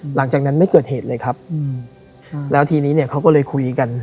หลังจากนั้นไม่เกิดเหตุเลยครับแล้วทีนี้เนี่ยเขาก็เลยคุยกัน